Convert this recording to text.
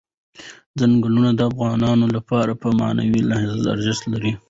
ځنګلونه د افغانانو لپاره په معنوي لحاظ ارزښت لري.